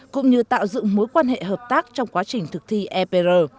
cũng như tạo dựng mối quan hệ hợp tác trong quá trình thực thi epr